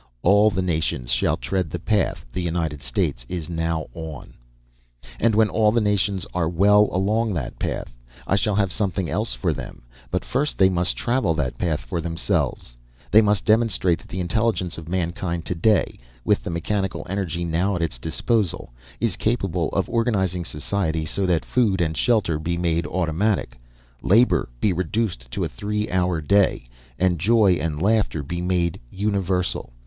All the nations shall tread the path the United States is now on. "And when all the nations are well along on that path, I shall have something else for them. But first they must travel that path for themselves. They must demonstrate that the intelligence of mankind to day, with the mechanical energy now at its disposal, is capable of organizing society so that food and shelter be made automatic, labour be reduced to a three hour day, and joy and laughter be made universal.